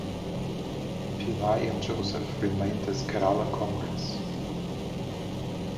Pillai and Joseph remained as Kerala Congress.